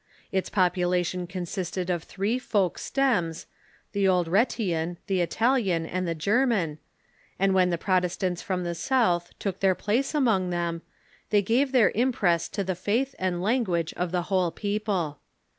Its pop ulation consisted of three folk stems — the old Rhetian, the Italian, and the German — and when the Protestants from the south took their place among them, they gave their impress to the faith and language of the whole people.